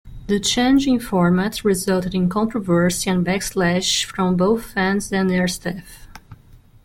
The change in format resulted in controversy and backlash from both fans and airstaff.